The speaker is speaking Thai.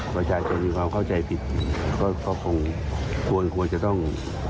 ประชาชนมีความเข้าใจผิดก็คงควรควรจะต้อง